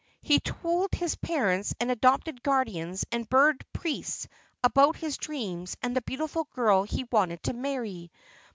He told his parents and adopted guardians and bird priests about his dreams and the beautiful girl he wanted to marry.